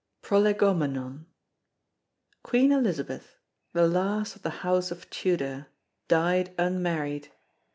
PROLEGOMENON Queen Elizabeth, the last of the House of Tudor, died unmarried.